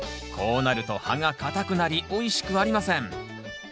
こうなると葉が硬くなりおいしくありません。